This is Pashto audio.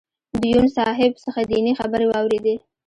د یون صاحب څخه دینی خبرې واورېدې.